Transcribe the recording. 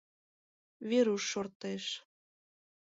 Веруш шортеш.